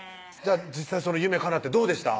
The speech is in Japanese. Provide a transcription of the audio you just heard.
実際夢かなってどうでした？